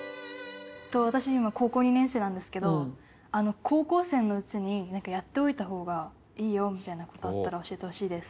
私今高校２年生なんですけど高校生のうちにやっておいた方がいいよみたいな事あったら教えてほしいです。